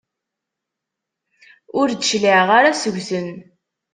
Ur d-cliɛeɣ ara seg-sen.